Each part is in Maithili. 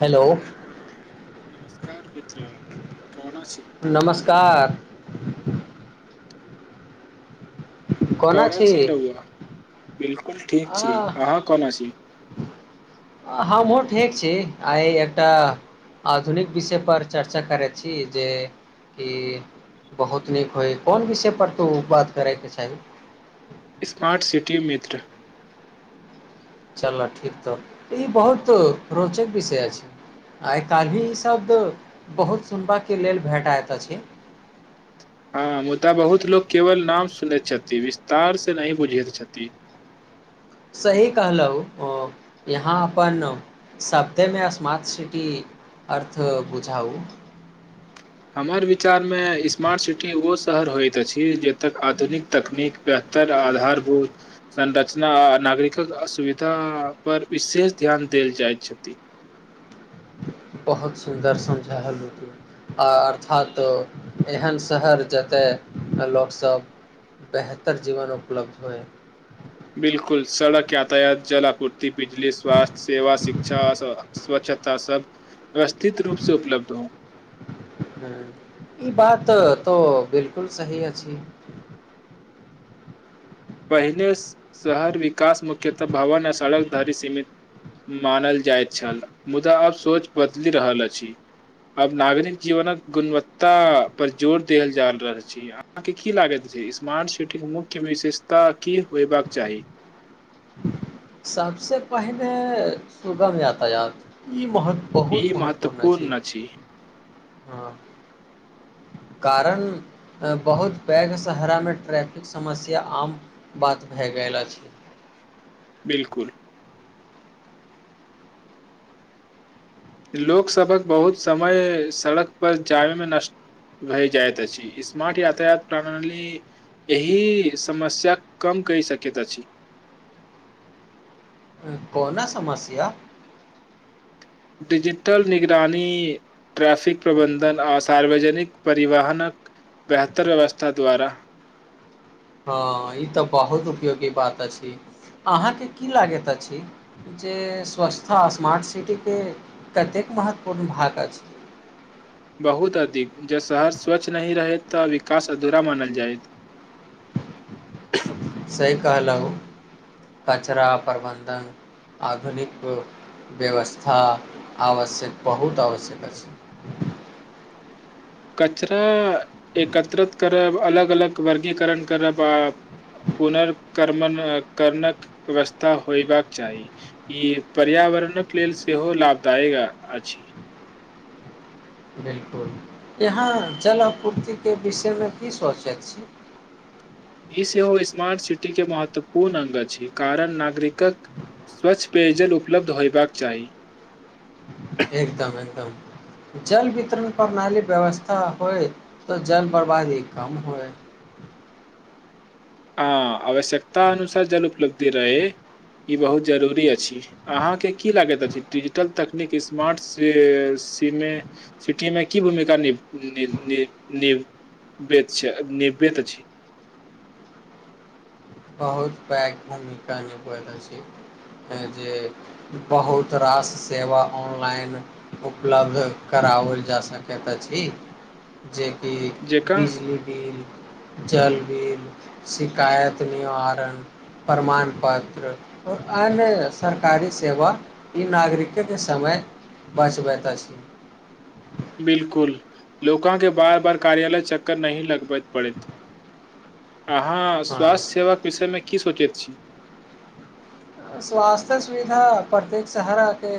हेलो हेलो नमस्कार मित्र कोना छी नमस्कार कोना छी रउआ बिल्कुल ठीक आ छी अहाँ कौना छी हमहूँ ठीक छी आइ एकटा आधुनिक विषय पर चर्चा करैत छी जे कि बहुत नीक होय कोन विषयपर तऽ बात करयके चाही स्मार्ट सिटी मित्र चल ठीक तऽ ई बहुत रोचक विषय अछि छै्, ॅ आइ काल्हि ई शब्द बहुत सुनबाके लेल भेटा एतऽ आछै [inaudible] हँ मुदा बहुत लोक केवल नाम सुनैत छथि विस्तार से नही बुझैत छथि [unintelligible] सही कहलहु यहाँ अपन शदमे स्मार्ट सिटी अर्थ बुझाउ क्षमता हमर विचारमे स्मार्ट सिटी ओ शहर होइत अछि जतय आधुनिक तकनीक आधारभूत संरचना आ नागरिकक असुविधा पर विशेष ध्यान देल जाइत छटी बहुत सुन्दर समझायल रहत आ अर्थात एहन शहर जतय लोकसभ बेहतर जीवन उपलब्ध होए बिलकुल सड़क यातायात जलापुट बिजली स्वास्थ्य सेवा शिक्षा स्वा स्वच्छता सब व्यवस्थित रूप सँ उपलब्ध हो ह ई बात तो बिलकुल सही अछि पहिने शहर विकास मुख्यतः भवन आ सड़क धरी सीमित मानल जाइत छल मुदा आब सोच बदलि रहल अछि अब नागरिक जीवनक गुणवत्ता पर जोर देल जा रहल छै अहाँके की लागत स्मार्ट सिटी के मुख्य विशेषता की होयबाक चाही सबसँ पहिले सुबह यातायात ई महत बहुत ई महत्वपूर्ण छी अछि हँ कारण बहुत पैघ सहरामे ट्रैफिक समस्या आम बात भए गेल अछी [unintelligible] बिलकुल लोक सबक बहुत समय सड़क पर जामेे मे नष्ट वए जायत अछी स्मार्ट यातायात प्रणी एहि समस्या कम कहे सकैट अछी कोना समस्या डिजिटल निगरानी ट्रैफिक प्रबन्धन आ सार्वजनिक परिवहनक बेहतर व्यवस्था द्वारा हँ ई तऽ बहुत उपयोगी बात अछि अहाँके की लागैत अछि जे स्वच्छता स्मार्ट सिटीके कतेक महत्वपूर्ण भाग अछि [inaudible] बहुत अधिक जँ शहर स्वच्छ नहि रहै तऽ विकास अधूरा मानल जाइत [inaudible] से कहलहुँ कचरा प्रबन्धन आधुनिक व्यवस्था आवश्यक बहुत आवश्यक अछि कचरा एकत्रित करब अलग अलग वर्गीकरण करब आ पुनर्कम क करनक व्यवस्था होयबाक चाही ई पर्याव रणक लेल सेहो लाभदायक आ आछी बिलकुल यहाँ जल आपूर्तिके विषयमे की सोचैत छी ई सेहो स्मार्ट सिटी के महत्वपूर्ण अ्ग अछि कारण नागरिकक स्वच्छ पेयजल उपलब्ध होयबाक चाही एकदम एकदम जल वितरण प्रणाली व्यवस्था होइ त जल बर्बादी कम होइ [inaudible] हँ आवश्यकता अनुसार जल उपलब्धि रहे ई बहुत जरुरी अछि अहाँके की लागैत अछि डिजिटल तकनीक स्मार्ट श सी मे सिटी मे की भूमिका निभ निभ निभ बेत छै निभबेत अछी बहुत पैघ भूमिका निभवेत अछी ह जँ जे बहुत रास सेवा ऑनलाइन उपलब्ध करा कराओल जा सकैत अछी जे कि जकाँ बिजली बिल जल बिल शिकायत निवारण प्रमाण पत्र और अन्य सरकारी सेवा ई नागरिके के समय बस वे हम एतअ छी बिलकुल लोका के बार बार कार्यालय चक्कर नहि लगबैत पड़ेत अहाँ हँ स्वास्थ्य सेवा विषय मे की सोचैत छी स्वास्थ्य सुविधा प्रत्येक शहराके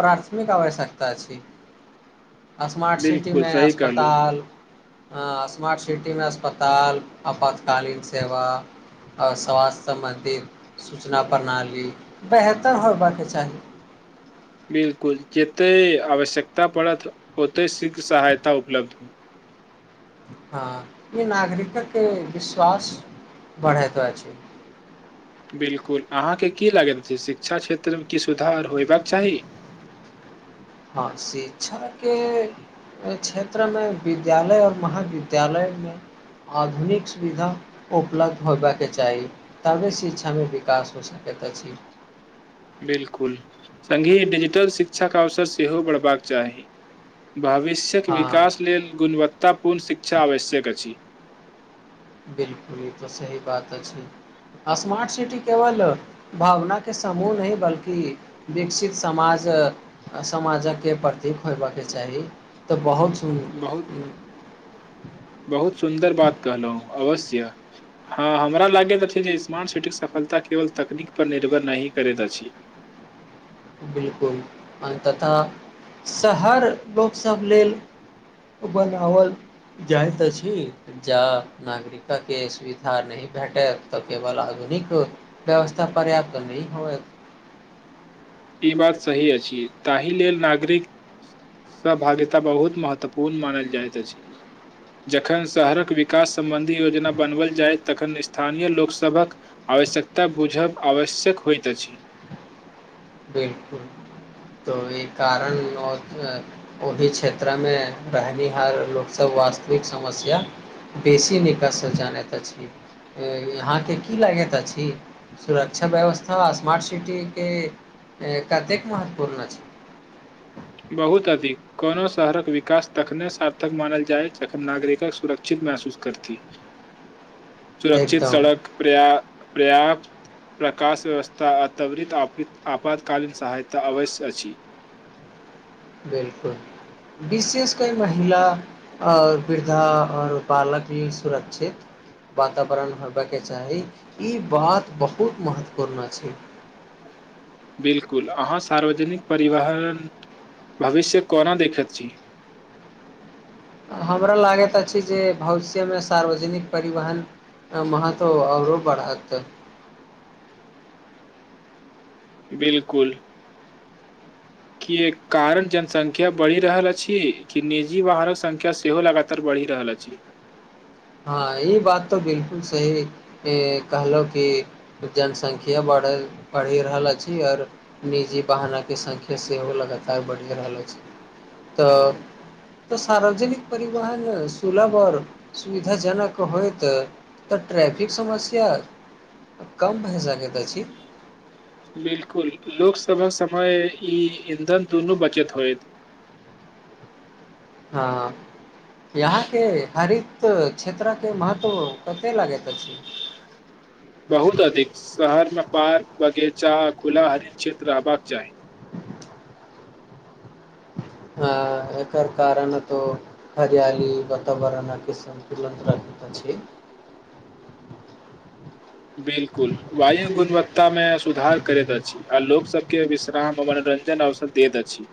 प्राथमिक आवश्यकता छै [inaudible] स्मार्ट सिटी बिल्कुल मे सही कहलहुँ अस्पताल ह स्मार्ट सिटीमे अस्पताल आपातकालीन सेवा आर स्वास्थ्य सम्बन्धित सूचना प्रणाली बेहतर होयबाके चाही बिलकुल जेतै आवश्यकता पड़त ओतय शीघ्र सहायता उपलब्ध हो हँ ई नागरिकक के विश्वास बढ़ैत अछि बिल्कुल अहाँके की लागैत छै शिक्षा क्षेत्र मे की सुधार होयबाक चाही [inaudible] हँ शिक्षा के क्षेत्र मे विद्यालय और महाविद्यालय मे आधुनिक सुविधा उपलब्ध होयबाके चाही तबे शिक्षामे विकास हो सकै कतअ छी [inaudible] बिलकुल संगहि डिजिटल शिक्षा क अवसर सेहो बढ़बाक चाही भविष्यक हँ विकास लेल गुणवत्तापूर्ण शिक्षा आवश्यक अछि बिलकुल ई त सही बात अछि स्मार्ट सिटी केवल भावना के समूह नहि बल्कि विकसित समाज समाज के प्रतीक होयबाके चाही चाही तऽ बहुत सुन बहुत बहुत सुन्दर बात कहलहुँ अवश्य हं हमरा लागैत अछि जे स्मार्ट सिटीक सफलता केवल तकनीक पर निर्भर नहीं करैत अछि। बिलकुल अन्ततः शहर लोकसभ लेल बनाओल। जाइत अछि जा नागरिक के सुविधा नहि भेटत तऽ केवल आग निक व्यवस्था पर्याप्त नहि होयेत ई बात सही अछि ताहि लेल नागरिक सहभागितता बहुत महत्वपूर्ण मानल जाइत अछि जखन शहरक विकास सम्बन्धी योजना बनवल जाय तखन स्थानीय लोकसभक आ आवश्यकता बुझब आवश्यक होइत अछि बिलकुल त ई कारण ओहि क्षेत्र में रहनिहार लोक सब वास्तविक समस्या बेसी निकसँ जानैत अछि यहाँके की लागैत अछि सुरक्षा व्यवस्था स्मार्ट सिटी के कतेक महत्वपूर्ण छै बहुत अधिक कोनो शहरक विकास तखने सार्थक मानल जायत जखन नागरिक सुरक्षित महसूस करती सुरक्षित एकदम सड़क प्र््प्रर्याप्त प्रकाश व्यवस्था आ त्वरित आपातकालीन सहायता अवश्य अछि बिल्कुल विशेष कर महिला आओर वृद्धा आओर बालक लेल सुरक्षित वातावरण होबयके चाही ई बात बहुत महत्वपूर्ण छै बिल्कुल अहाँ सार्वजनिक परिवहन भविष्य कोना देखैत छी हमरा लागैत अछि जे भविष्यमे सार्वजनिक परिवहन आ महत्व आओरो बढ़तऽ [inaudible] बिल्कुल की कारण जनसंख्या बढ़ि रहल अछि कि निजी वाहनक संख्या सेहो लगातार बढ़ि पढ़ि [inaudible] रहल अछि [unintelligible] हँ ई बात तऽ बिल्कुल सही कहलो कि जनसंख्या बढ़ पढ़ि रहल अछि आओर निजी बहनो के संख्या सेहो लगातार बढ़ि रहल अछि तऽ सार्वजनिक परिवहन सुलभ आओर सुविधाजनक होयत तऽ ट्रैफिक समस्या कम पैसाके तऽ छी बिल्कुल लोकसभा समय ई ईंधन दुनू बचत होय हँ यहाँके हरित क्षेत्रक महत्व कतेक लागैत अछि [unintelligible] बहुत अधिक शहरमे बाग बगिचा खुला हरि क्षेत्र रहबाक चाही [inaudible] आ एकर कारण तऽ हरियाली वातावरणके सन्तुलन छै [inaudible] बिल्कुल वायु गुणवत्तामे सुधार करैत अछि आ लोकसभके विश्रा मनोजन अवसर दैत अति।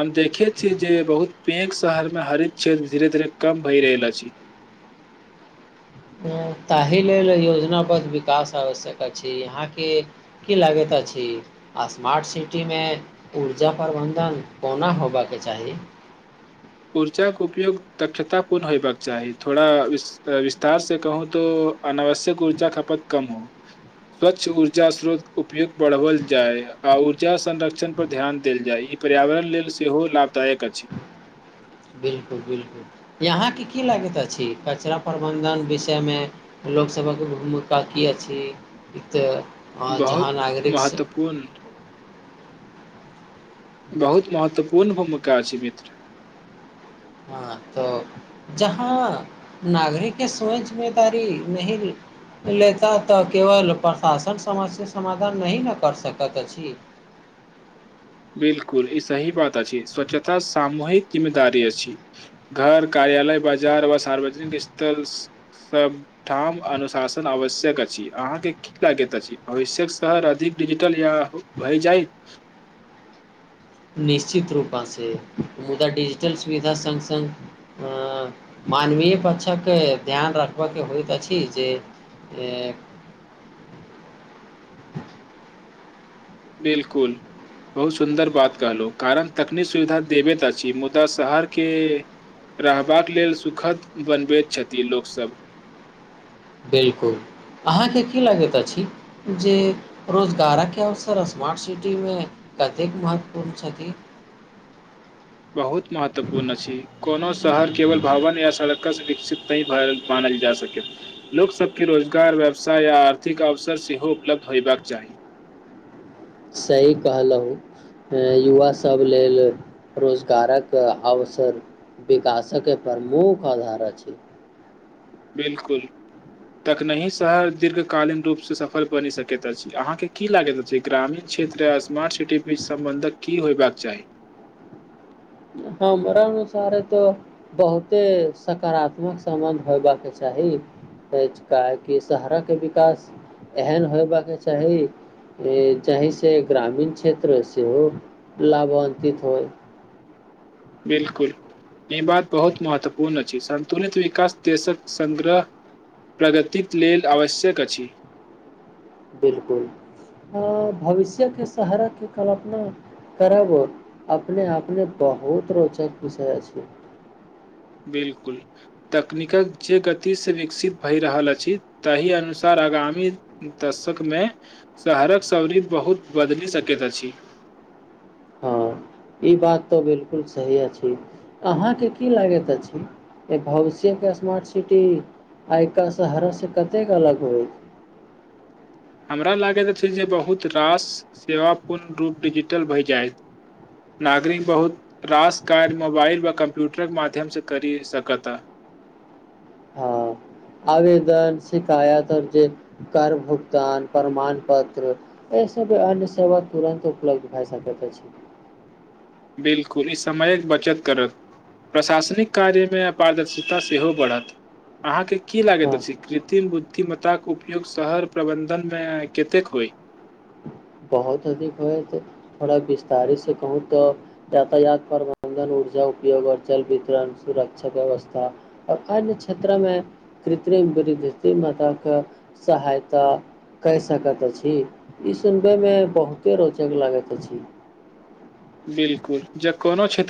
हम देखे छी जे बहुत पेघ शहरमे हरित क्षेत्र धीरे धीरे कम भय रहल अछि। [inaudible] ताहि लेल योजनाबद्ध विकास आवश्यक अछि आहां के की लागैत स्मार्ट सिटी मे उर्जा प्रबंधन कोना होबाक चाही [inaudible] ऊर्जाके उपयोग दक्षतापूर्ण होयबाक चाही थोड़ा विस्तार से कहूँ तऽ अनावश्यक ऊर्जा खपत कम हो स्वच्छ ऊर्जा स्रोत उपयोग बढ़वल जाय आ ऊर्जा संरक्षण पर ध्यान देल जाय पर्यावरण लेल सेहो लाभदायक अछि बिल्कुल बिल्कुल यहाँके की लागैत अछि कचरा प्रबंधन विषयमे लोकसभक मुद्दा किया छी ई तऽ हं बहुत जहाँ नागरिकसँ महत्वपूर्ण बहुत महत्वपूर्ण भूमिका छै मित्र हँ तऽ जहाँ नागरिकके सोच जिम्मेदारी नहि लेता तऽ केवल प्रशासन समास से समाधान नहि न कर सकत अछि [inaudible] बिल्कुल ई सही बात अछि स्व्छता सामूहिक जिम्मेदारी अछि घर का कार्यालय बाजार व सार्वजनिक स्थल सबठाम अनुशासन आवश्यक अछि अहाँके की लागैत अछि भविष्यक शहर अधिक डिजिटल या भय जाय निश्चित रूपा से मुदा डिजिटल सुविधा संग संग अ मानवीय पक्षक ध्यान रखबाके होइत अछि जे एक [inaudible] बिलकुल बहुत सुन्दर बात कहलहु कारण तकनीक सुविधा देबे ता छी मुदा शहर के रहबाक लेल सुखद बनबैत छथि लोकसभ बिलकुल अहाँ के की लगैत अछि जे रोजगारक अवसर स्मार्ट सिटी में कतेक महत्वपूर्ण छथि बहुत महत्वपूर्ण छी कोनो शहर केवल भवन या सड़क विकसित नहि मानल जा सकैत लोक सब के रोजगार व्यवसाय या आर्थिक अवसर से हो उपलब्ध होयबाक चाही सही कहलहु युवा सभ लेल रोजगारक अव सर विकासक प्रमुख आधार अछि बिलकुल तखनहि शहर दीर्घकालीन रूप सँ सफल बनि सकैत अछि अहाँ के की लागैत अछि ग्रामीण क्षेत्र आ स्मार्ट सिटी बीच सम्बन्धक की होयबाक चाही हमरा अनुसारे तो बहुते सकारात्मक संबंध होयबाक चाही का हाकि शहर के विकास एहन होयबक के चाही चहि से ग्रामीण क्षेत्र सेहो लाभान्वित होइ [inaudible] बिलकुल ई बात बहुत महत्वपूर्ण अछि संन्तुलित विकास देशक संग्रह प्रगति कऽ लेल आवश्यक अछि बिलकुल भविष्य के सहारा कऽ कल्पना करब अपने अपने बहुत रोचक विषय अछि [inaudible] बिल्कुल तकनीकक जे गति सँ विकसित भए रहल अछि ताहि अनुसार आगामी दशक मे शहरक सरी बहुत बदलि सकैत अछी [inaudible] हँ ई बात तऽ बिलकुल सही अछि अहाँ के की लागैत अछि भविष्य के स्मार्ट सिटी आयका शहर से कतेक अलग होय [inaudible] हमरा लागैत अछि जे बहुत रास सेवा पूर्ण रूप डिजिटल भए जाय नागरिक बहुत रास कार्य मोबाइल वा कम्प्यूटर के माध्यम से करी सकता [inaudible] हाँ आवेदन शिकायत जे कर भुगतान प्रमाण पत्र वैसे सब अन्य सेव तुरन्त उपलब्ध भए सकय बिलकुल ई समय के बचत करत प्रशासनिक कार्य में अपार दर्शता सेहो बढ़त अहाँ की लागे हँ तऽ अछि कृत्रिम बुद्ध कि मात उपयोग शहर प्रबन्धन मे कतेक होइ बहुत अधिक हो थोड़ा विस्तारी से कहू तऽ यातायात प्रबंधन मे ऊर्जा उपयोग आ जल वितरण सुरक्षा व्यवस्था आ अन्य क्षेत्र में कृत्रिम वृद्ध मताक सहायता कऽ सकैत अछि ई सुनबै मे बहुते रोचक लागैत अछि। बिलकुल जब कोनो क्षेत्र